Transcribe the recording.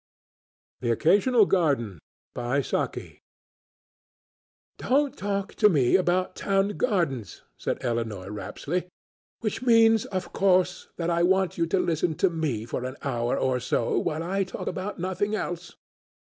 THE OCCASIONAL GARDEN "Don't talk to me about town gardens," said Elinor Rapsley; "which means, of course, that I want you to listen to me for an hour or so while I talk about nothing else.